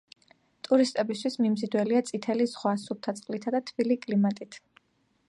ტურისტებისათვის მიმზიდველია წითელი ზღვა, სუფთა წყლითა და თბილი კლიმატით.